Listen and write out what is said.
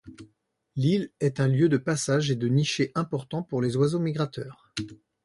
L'île est un lieu de passage et de nichée important pour les oiseaux migrateurs.